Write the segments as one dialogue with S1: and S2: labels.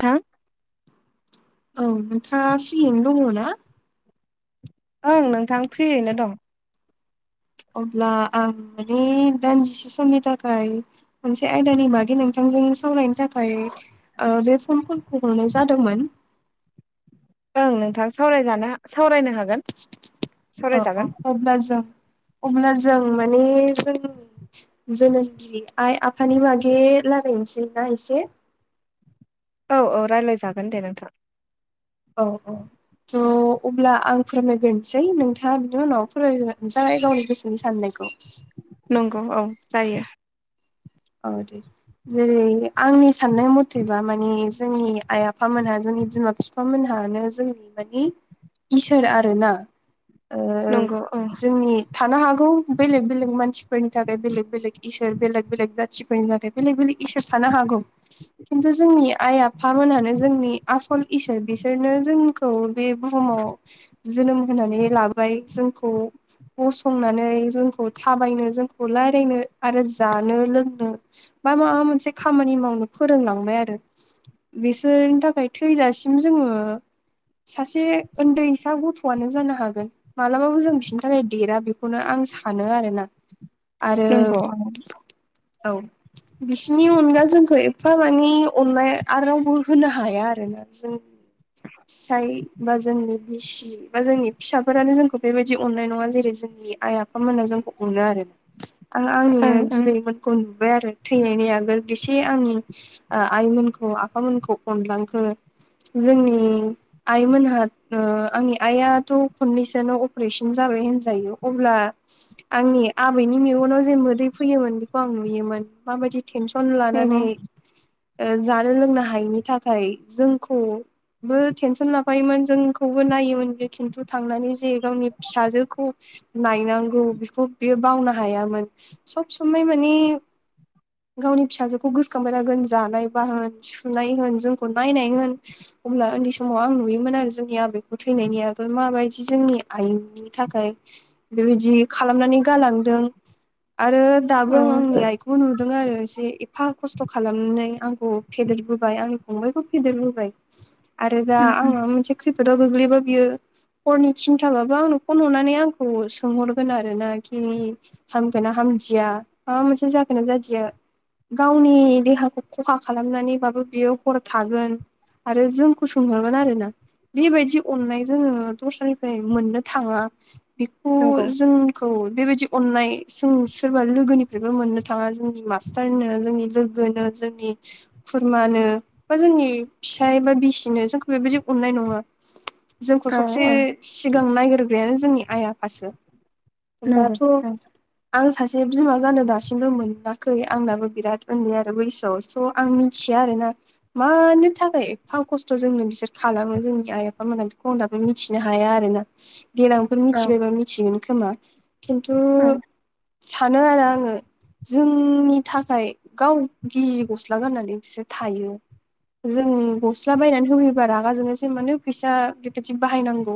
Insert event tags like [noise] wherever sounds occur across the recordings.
S1: थां
S2: औ नोंथांङा फ्रियैनो दङ ना?
S1: ओं नोंथां फ्रियैनो दं
S2: अब्ला आं माने दानजिसे समनि थाखाय मोनसे आयदानि बागै नोंथांजों सावरायनो थाखाय ओमफ्राय बे फन कलखौ हरनाय जादोंमोन
S1: ओं नोंथाङा सावरायजानो सावरायनो हागोन।
S2: अ औ
S1: सावरायजागोन
S2: अब्ला जों अब्ला जों माने जों जोनोमगिरि आइ आफानि बागै रायलायनोसै ना एसे
S1: औ औ रायलायजागोन दे नोंथां।
S2: औ औ थ' अब्ला आं फोरमायग्रोनसै नोंथाङा बिनि उनाव फोरमाय जाय गावनि गोसोनि साननायखौ
S1: नंगौ औ जायो।
S2: औ दे जेरै आंनि साननाय मथेबा मानि जोंनि आइ आफामोनहा जोंनि बिमा बिफा मोनहानो जोंनि मानि इसोर आरोना ओ
S1: नंगौ औ
S2: जोंनि थानो हागौ बेलेग बेलेग मानसिफोरनि थाखाय बेलेग बेलेग इसोर बेलेग बेलेग जा थिबाय नाथाय बेलेग बेलेग इसोर थानो हागौ खिन्थु जोंनि आइ आफामोनहानो जोंनि आसल इसोर बिसोरनो जों खौ बे बुहुमाव जोनोम होनानै लाबाय जोंखौ गसंनानै जोंखौ थाबायनो जोंखौ लायरायनो आरो जानो लों ओ बा माबा मोनसे खामानि मावनो फोरोंलांबाय आरो बिसोरनि थाखाय थैजासिम जोङो सासे ओन्दैसा गथ'आनो जानो हागोन मालाबाबो जों बिसिनि थाखाय देरा बेखौनो आं सानो आरोना आरो
S1: [unintelligible]
S2: औ बिसिनि अनगा जोंखो एफा मानि अन्नाय आर रावबो होनो हाया आरोना। जों फिसाय बा जोंनि बिसि बा जोंनि फिसाफोरानो जोंखौ बेबायदि अननाय नङा जेरै जोंनि आइ आफामोना जोंखौ अनो आरो आं आंनिनो
S1: ओं ओं
S2: बिबैमोनख' नुबाय आरो थैनायनि आगोल बिसे आंनि आ आइमोनखौ आफामोनखौ अनलांखो जोंनि आइमोनहा ओ आंनि आइआथ' खननैसो अपरेसन जाबाय होनजायो अब्ला आंनि आबैनि मेगनाव जे मोदै फैयोमोन खौ आं नुयोमोन माबायदि टेनसन
S1: नंगौ
S2: लानानै ओ जानो लोंनो हायैनि थाखाय जोंखौ बो टेनसन लाफायोमोन जोंखौबो नायोमोन बे खिन्थु थांनानै जे गावनि फिसाजोखौ नायनांगौ बिखौ बियो बावनो हायामोन सब समाय माने गावनि फिसाजोखौ गोसोखांबाय थागोन जानायबा होन सुनाय होन जोंखौ नायनाय होन अब्ला उन्दै समाव आं नुयोमोन आरो जोंनि आबैखौ थैनायनि आगोल माबायदि जोंनि आइनि थाखाय बेबिदि खालामनानै गालांदों आरो दाबो
S1: औ
S2: आं
S1: उम
S2: आंनि आइखौबो नु दों आरो इसे एफा खस्थ' खालामनै आंखौ फेदेरबोबाय आंनि फंबायबो फेदेरबोबाय आरो दा आं
S1: उम
S2: माबा मोनसे खैफोदाव गोग्लैबा बियो हरनि थिनथाबाबो आंनो फन हरनानै आंखौ सोंहरगोन आरो ना खि हामगोना हामदिया माबा मोनसे जागोन ना जादिया गावनि देहाखौ खखा खालामनानैबाबो बियो हर थागोन आरो जोंखौ सोंहरगोन आरो ना बिबायदि अननाय जोङो दस्रानिफाय मोननो थाङा बिखौ
S1: नंगौ
S2: जोंखौ बेबायदि अननाय जों सोरबा लोगोनि [unintelligible] मोननो थाङा जोंनि मास्टारनो जोंनि लोगोनो जोंनि खुरमानो बा जोंनि फिसाय बा बिसिनो जोंखौ बेबायदि अन्नाय नङा जोंखौ
S1: औ
S2: सबसे
S1: औ
S2: सिगां नायग्रोग्रायानो जोंनि आइ आफासो
S1: नंगौ
S2: ओमबाथ'
S1: औ
S2: आं सासे बिमा जानो दासिमबो मोनाखै आंनाबो बिराद उन्दै आरो बैसोआव स' आं मिथिया आरोना मानो थाखाय एफा खस्थ' जोंनो बिसोर खालामो जोंनि आइ आफाोनहा बेखौ आं दाबो मिथिनो हाया आरोना देलांफोर
S1: औ
S2: मिथिबायबा मिथिगोन खोमा खिन्थु
S1: औ
S2: सानो आरो आं ङो जोंनि थाखाय गाव गिजि गस्ला गाननानै फिसोर थायो जों गस्ला बायनानै होफैबा रागा जोंयोसो मानो फैसा बेबायदि बाहायनांगौ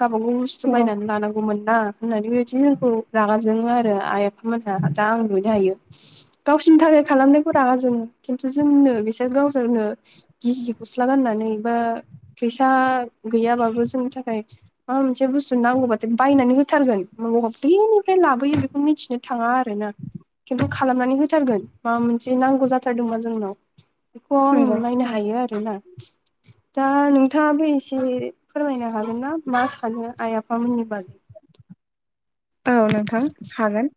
S2: गावबा गाव बुस्थु
S1: नंगौ
S2: बायनानै लानांगौमोन ना होननानै बे बायदि जोंखौ रागा जोङो आरो आइ आफा दा आं नुनो हायो। गावसोरनि थाखाय खालामनायखौ रागा जोङो। खिन्थु जोंनो बिसोर गावसोरनो गिजि गस्ला गाननानै बा फैसा गैयाबाबो जोंनि थाखाय माबा मोनसे बुस्थु नांगौबाथो बायनानै होथारगोन बबेनिफ्राय लाबोयो बेखौ मिथिनो मो थाङा आरोना खिन्थु खालामनानै होथारगोन माबा मोनसे नांगौ जाथारदों बा जोंनाव। बेखौ आं
S1: नंगौ
S2: नायनो
S1: औ
S2: हायो आरोना। दा नोंथाङाबो एसे फोरमायनो हागोन ना मा सानो आइ आफामोननि बागै।
S1: औ नोंथां हागोन।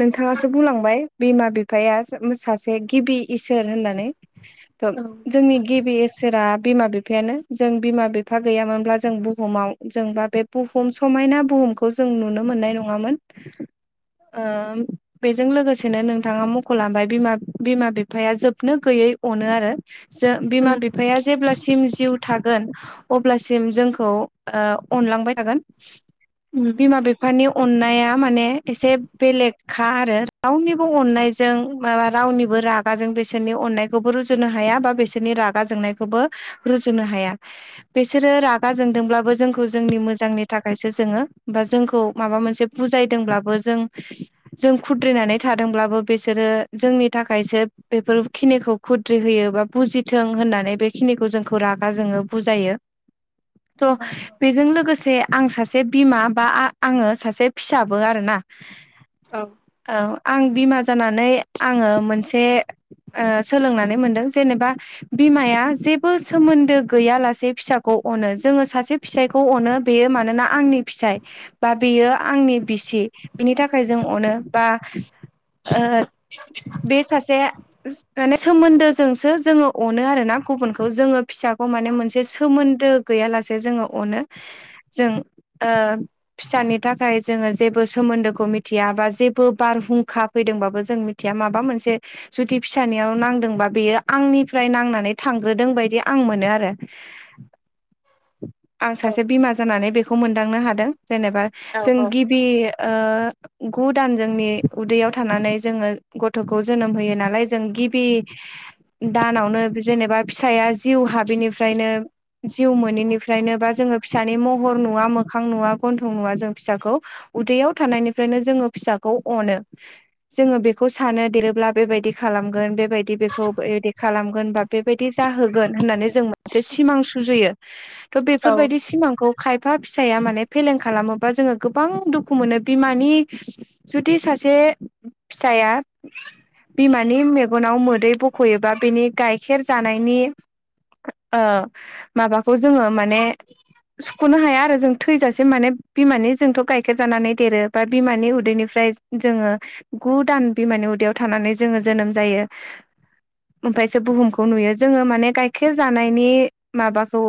S1: नोंथाङासो बुंलांबाय बिमा बिफाया सासे गिबि इसोर होननानै।
S2: [inaudible]
S1: थ' जोंनि गिबि इसोरा बिमा बिफायानो। जों बिमा बिफा गैयामोनब्ला जों बुहुमाव जोंबा बे बुहुम समायना बुहुमखौ जों नुनो मोननाय नङामोन। ओम बेजों लोगोसेनो नोंथाङा मख'लांबाय बिमा बिमा बिफाया जोबनो गैयै अनो आरो। जों बिमा
S2: उम
S1: बिफाया जेब्लासिम जिउ थागोन अब्लासिम जोंखौ ओ अनलांबाय थागोन।
S2: उम
S1: बिमा बिफानियाव अननाया माने एसे बेलेगखा आरो। रावनिबो अननायजों माबा रावनिबो राग रागाजों बिसोरनि अननायखौबो रुजुनो हाया बा बिसोरनि रागा जोंनायखौबो रुजुनो हाया। बिसोरो रागा जोंदोंब्लाबो जोंखौ जोंनि मोजांनि थाखायसो जोङो। बा जोंखौ माबा मोनसे बुजायदोंब्लाबो जों जों खुद्रिनानै थादोंब्लाबो बेसोरो जोंनि थाखायसो बेफोर खिनिखौ खुद्रि होयो बा बुजिथों होननानै बेखिनिखौ जोंखौ रागा जोङो बुजायो।
S2: [inaudible]
S1: थ'
S2: औ
S1: बेजों लोगोसे आं सासे बिमा बा आ आङो सासे फिसाबो आरो ना।
S2: औ।
S1: औ आं बिमा जानानै आङो मोनसे ओ सोलोंनानै मोनदों। जेनेबा बिमाया जेबो सोमोन्दो गैया लासे फिसाखौ अनो जोङो सासे फिसाइखौ अनो बेयो मानोना आंनि फिसाइ। बा बेयो आंनि बिसि बिनि थाखाय जों अनो बा ओ बे सासे माने सोमोन्दोजोंसो जोङो अनो आरोना। गुबुनखौ जोङो फिसाखौ माने मोनसे सोमोन्दो गैयालासे जोङो अनो जों ओ फिसानि थाखाय जोङो जेबो सोमोन्दोखौ मिथिया बा जेबो बारहुंखा फैदोंबाबो जों मिथिया माबा मोनसे जुदि फिसानियाव नांदोंबा बेयो आंनिफ्राय नांनानै थांग्रोदों बायदि आं मोनो आरो।
S2: [inaudible]
S1: आं
S2: औ
S1: सासे बिमा जानानै बेखौ मोनदांनो हादों जेनेबा जों गि बि ओ गु दान जोंनि उदैयाव थानानै जोङो गथ'खौ जोनोम होयो नालाय जों गिबि दानावनो जेनेबा फिसाया जिउ हाबिनिफ्रायनो जिउ मोनिफ्रायनो बा जोङो फिसानि महर नुवा मोखां नुवा गन्थं नुवा जों फिसाखौ उदैयाव थानायनिफ्रायनो जोङो फिसाखौ अनो। जोङो बेखौ सानो देरोब्ला बे बायदि खालामगोन बे बायदि बेखौ बिदि खालामगोन बा बे बायदि जाहोगोन होननानै जों मोनसे सिमां सुजुयो।
S2: [inaudible]
S1: थ' बेफोरबायदि सिमांखौ खायफा फिसाया माने फेलें खालामोबा जोङो गोबां दुखु मोनो बिमानि जुदि सासे फिसाया बिमानि मेगनाव मोदै बख'योबा बिनि गाइखेर जानायनि ओ माबाखौ जोङो माने सुख'नो हाया आरो जों थैजासे माने बिमानि जोंथ' गाइखेर जानानै देरो बा बिमानि उदैनिफ्राय जोङो। गु दान बिमानि उदैयाव थानानै जोङो जोनोम जायो। ओमफायसो बुहुमखौ नुयो जोङो माने गाइखेर जानायनि माबाखौ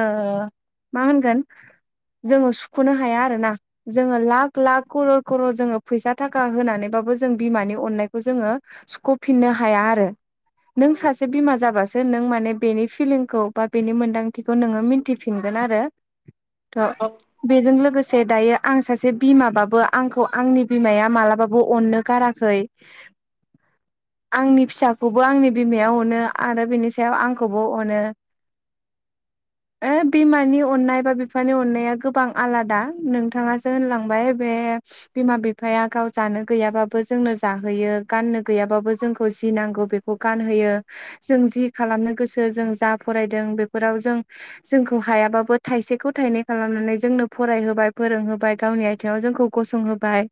S1: ओ मा होनगोन जोङो सुख'नो हाया आरोना। जोङो लाख लाख खरर' खरर' जोङो फैसा थाखा होनानैबाबो जों बिमानि अननायखौ जोङो सुख'फिननो हाया आरो। नों सासे बिमा जाबासो नों माने बेनि फिलिंखौ बा बेनि मोनदांथि बेखौ नोङो मिन्थिफिनगोन आरो थ'
S2: औ
S1: बेजों लोगोसे दायो आं सासे बिमाबाबो आंखौ आंनि बिमाया मालाबाबो अननो गाराखै
S2: [inaudible]
S1: आंनि फिसाखौबो आंनि बिमाया अनो आरो बिनि सायाव आंखौबो अनो।
S2: [inaudible]
S1: ओ बिमानि अननाय बा बिफा बिफानि अननाया गोबां आलादा नोंथाङासो होनलांबाय बे बिमा बिफाया गाव जानो गैयाबाबो जोंनो जाहोयो गाननो गैयाबाबो जोंखौ जि नांगौ बेखौ खौ गानहोयो जों जि खालामनो गोसो जों जा फरायदों बेफोराव जों जोंखौ हायाबाबो थाइसेखौ थायनै खालामनानै जोंनो फरायहोबाय फोरोंहोबाय गावनि आथिङाव जोंखौ गसंहोबाय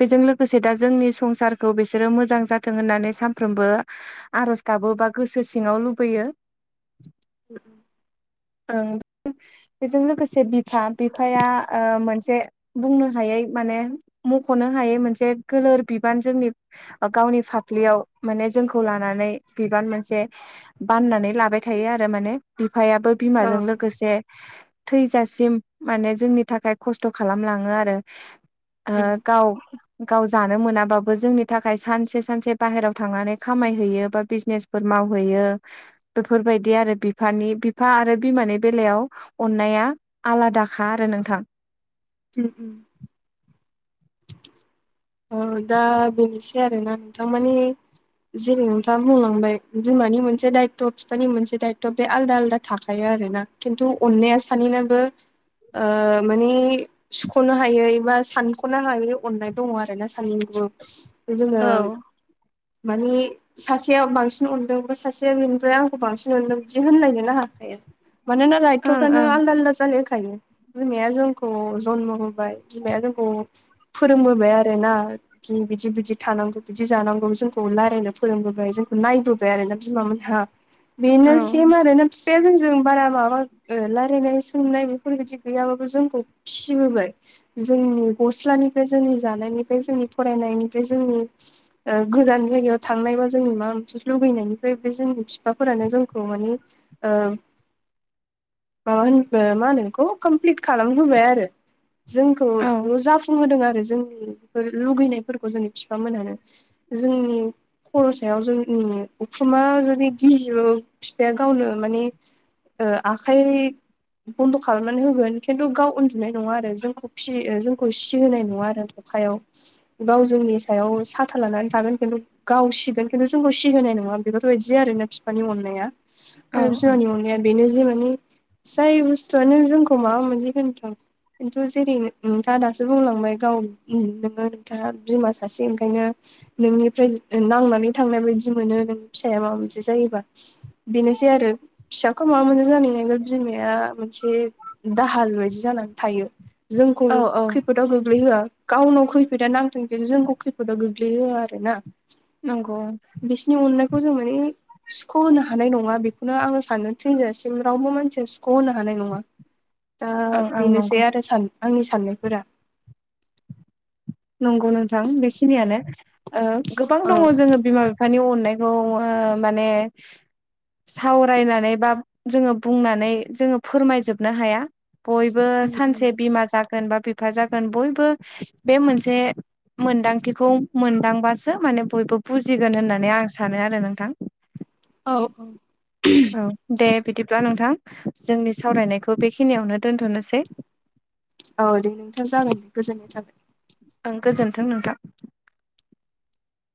S1: बेजों लोगोसे दा जोंनि संसारखौ बिसोरो मोजां जाथों होननानै सानफ्रोमबो आर'ज गाबोबा गोसो सिङाव लुबैयो
S2: [unintelligible]
S1: ओ बेजों लोगोसे बिफा बिफाया ओ मोनसे बुंनो हायै माने मख'नो हायै मोनसे गोलोर बिबान जोंनि गावनि फाफ्लियाव माने जोंखौ लानानै बिबान मोनसे बाननानै लाबाय थायो आरो माने बिफायाबो
S2: औ
S1: बिमाजों लोगोसे थैजासिम माने जोंनि थाखाय खस्थ' खालामलाङो आरो आ
S2: उम
S1: गाव गाव जानो मोनाबाबो जोंनि थाखाय सानसे सानसे बाहेरायाव थांनानै खामायहैयो बा बिजनेस फोर मावहैयो बेफोरबायदि आरो बिफानि बिफा आरो बिमानि बेलायाव अननाया आलादाखा आरो नोंथां।
S2: उम उम औ दा बेनोसै आरोना नोंथां मानि जेरै नोंथाङ बुंलांबाय बिमानि मोनसे दायथ' बिफानि मोनसे दायथ' बे आलदा आलदा थाखायो आरोना। खिन्थु अन्नाया सानैनोबो ओ मानि सुख'नो हायैबा सानख'नो हायै अननाय दङ आरो ना सानैनाबो जोङो
S1: औ
S2: मानि सासेया बांसिन अनदों बा सासेया बेनिफ्राय आंखौ बांसिन अनदों बिदि होनलायनो हाखाया मानोना
S1: ओं
S2: लायथ'फ्रानो
S1: ओं
S2: आलदा आलदा जालाय होखायो बिमाया जोंखौ जन्म होबाय बिमाया जोंखौ फोरोंबोबाय आरोना। बि बिदि बिदि थानांगौ बिदि जानांगौ जोंखौ रायजलायनो फोरोंबोबाय जोंखौ नायबो आरो ना बिमाहा बेनो
S1: औ
S2: सेम आरो ना। फिफाया जोंजों बारा माबा रायजलायनाय सोंनाय बेफोरबायदि गैयाबाबो जोंखौ फिहोबाय जोंनि गस्लानिफ्राय जोंनि जानायनिफ्राय जोंनि फरायनायनिफ्राय जोंनि ओ गोजान जायगायाव थांनाय बा जोंनि माबा मोनसे लुगैनायनिफ्राय बे जोंनि बिफाफोरानो जोंखौ मानि ओ मा होन मा नोंखौ कमप्लिट खालामहाय आ जोंखौ
S1: औ
S2: न' जाफुंहोदों आरो जोंनि लुगैनायफोरखौ जोंनि बिफामोनहानो जोंनि खर' सायाव जोंनि उखुमा जुदि गिजौ बिफाया गावनो माने ओ आखाइ बन्द' खालामनानै होगोन खिन्थु गाव उन गुनाय नङा आरो जोंखौ फियो जोंखौ सि होनाय नङा आरो अखायाव। गाव जोंनि सायाव साथा लानानै थागोन खिन्थु गावसिगोन खिन्थु जोंखौ सिहोनाय नङा बेफोरबायदि आरोना बिफानि अननाया।
S1: औ
S2: आरो बिमानि अनाया बेनो जे माने जाय बुस्थुआनो जोंखौ माबा होनथों खिन्थु जेरै नोंथाङा दासो बुंलांबाय गाव नोङो नोंथाङा बिमा सासे ओंखायनो नोंनिफ्राय नांनानै थांनाय बायदि मोनो नों फिसाया माबा मोनसे जायोबा। बेनोसै आरो फिसाखौ माबा मोनसे जानाय नांगोन बिमाया मोनसे दाहाल बायदि जानानै थायो जोंखौ
S1: औ औ
S2: खैफोद खैदाव गोग्लैहोआ गावनाव खैफोदा नांथों खिन्थु जोंखौ खैफोदाव गोग्लैहोआ आरो ना।
S1: नोंगौ।
S2: बिसिनि अननायखौ जों माने सुख' होनो हानाय नङा बेखौनो आङो सानो थैजासिम रावबो मानसिया सुख'होनो हानाय नङा। दा
S1: ओं ओं नंगौ
S2: बेनोसै आरो सान आंनि साननायफोरा।
S1: नंगौ नोंथां बेखिनियानो ओ गोबां
S2: औ
S1: दङ जोङो बिमा बिफ फिफानि अनायखौ ओ माने सावरायनानै बा जोङो बुंनानै जोङो फोरमायजोबनो हाया बय बो सानसे बिमा जागोन बा बिफा जागोन बयबो बे मोनसे मोनदांथिखौ मोनदांबासो माने बयबो बुजिगोन होननानै आं सानो आरो नोंथां।
S2: औ।
S1: औ दे बिदिब्ला नोंथां जोंनि सावरायनायखौ बेखिनियावनो दोनथ'नोसै।
S2: औ दे नोंथाङा जागोन दे गोजोनथों।
S1: ओं गोजोन्थों नोंथां।